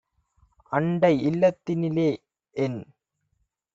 "அண்டைஇல் லத்தினிலே - என்